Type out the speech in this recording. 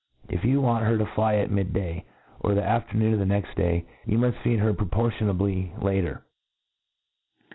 If you want her to fly at mid«^ day, or the afternoon of next day, you muft feed her proportionably later.